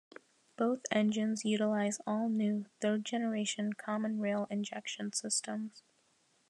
Both engines utilise all-new, third-generation common rail injection systems.